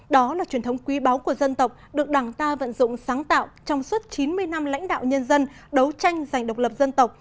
đó là truyền thống quý báu của dân tộc được đảng ta vận dụng sáng tạo trong suốt chín mươi năm lãnh đạo nhân dân đấu tranh giành độc lập dân tộc